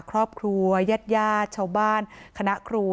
ครอบครัวยาดชาวบ้านคณะครู